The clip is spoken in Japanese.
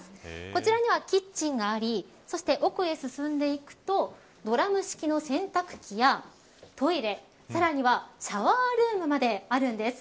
こちらにはキッチンがありそして奥へ進んでいくとドラム式の洗濯機やトイレさらにはシャワールームまであるんです。